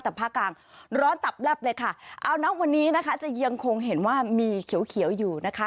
แต่ภาคกลางร้อนตับแลบเลยค่ะเอานะวันนี้นะคะจะยังคงเห็นว่ามีเขียวเขียวอยู่นะคะ